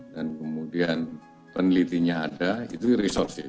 dan kemudian penelitinya ada itu resources